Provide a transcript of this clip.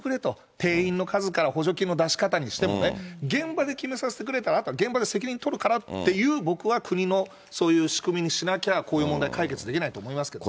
定員の数から補助金の出し方にしてもね、現場で決めさせてくれたら、あとは現場で責任取るからっていう、僕は国の、そういう仕組みにしなきゃ、こういう問題解決できないと思いますけどね。